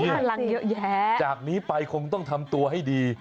มีพลังเยอะแยะจากนี้ไปคงต้องทำตัวให้ดี